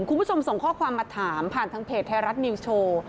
คุณผู้ชมส่งข้อความมาถามผ่านทางเพจไทยรัฐนิวส์โชว์